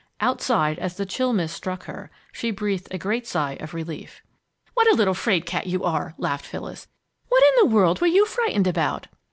Outside, as the chill mist struck her, she breathed a great sigh of relief. "What a little 'fraid cat you are!" laughed Phyllis. "What in the world were you frightened about?"